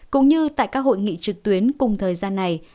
cũng như tại các hội nghị trực tuyến cùng thời gian này